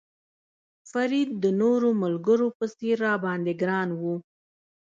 فرید د نورو ملګرو په څېر را باندې ګران و.